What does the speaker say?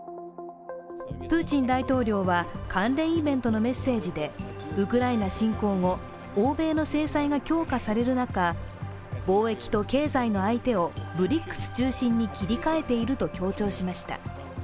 プーチン大統領は関連イベントのメッセージでウクライナ侵攻後、欧米の制裁が強化される中、貿易と経済の相手をＢＲＩＣＳ中心に切り替えていると強調しました。